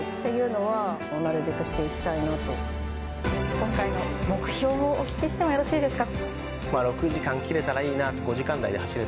今回の目標をお聞きしてもよろしいですか。